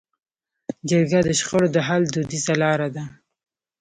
جرګه د شخړو د حل دودیزه لاره ده.